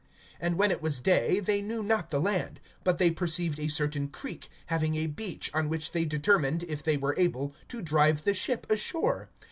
(39)And when it was day, they knew not the land; but they perceived a certain creek, having a beach, on which they determined, if they were able, to drive the ship ashore.